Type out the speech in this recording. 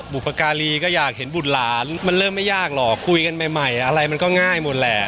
บุพการีก็อยากเห็นบุตรหลานมันเริ่มไม่ยากหรอกคุยกันใหม่อะไรมันก็ง่ายหมดแหละ